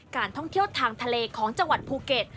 การท่องเที่ยวทางทะเลของจังหวัดภูเก็ต